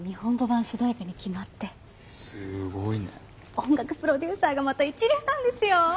音楽プロデューサーがまた一流なんですよ。